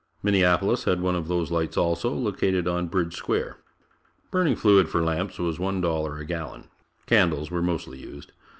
Minneapolis had one of these lights also, located on Bridge square. Burning fluid for lamps was one dollar a gallon. Candles were mostly used.